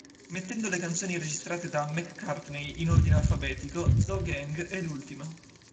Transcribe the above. Mettendo le canzoni registrate da McCartney in ordine alfabetico, "Zoo Gang" è l'ultima.